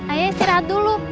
ayah istirahat dulu